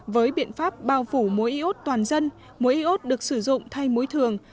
với biện pháp bao phủ mối iốt toàn dân mối iốt được sử dụng thay mối thường